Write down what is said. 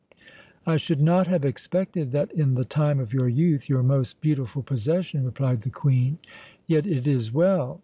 "I should not have expected that in the time of your youth, your most beautiful possession," replied the Queen. "Yet it is well.